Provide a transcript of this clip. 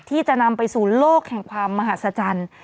ที่จะนำไปสู่โลกแห่งความมหาศจรรย์